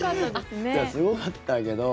すごかったけど。